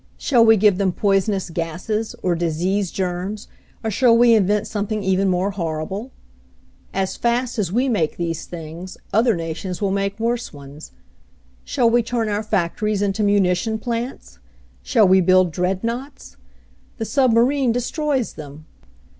Shall we give them poisonous gases, or disease germs, or shall we invent something even more horrible? As fast as we make these things, other nations will make worse ones. "Shall we turn our factories into munition plants? Shall we build dreadnoughts? The sub marine destroys them.